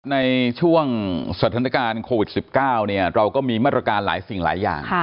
ในช่วงสถานการณ์โควิด๑๙เราก็มีมาตรการหลายสิ่งหลายอย่าง